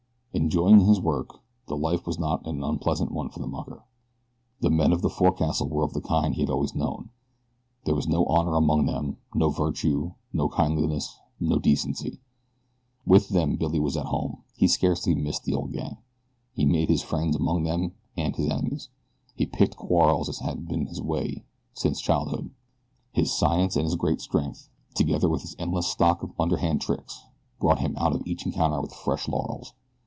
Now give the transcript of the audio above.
Enjoying his work, the life was not an unpleasant one for the mucker. The men of the forecastle were of the kind he had always known there was no honor among them, no virtue, no kindliness, no decency. With them Billy was at home he scarcely missed the old gang. He made his friends among them, and his enemies. He picked quarrels, as had been his way since childhood. His science and his great strength, together with his endless stock of underhand tricks brought him out of each encounter with fresh laurels.